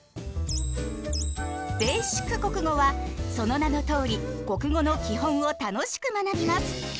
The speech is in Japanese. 「ベーシック国語」はその名のとおり国語の基本を楽しく学びます。